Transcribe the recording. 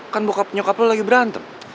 kan bokap nyokap lo lagi berantem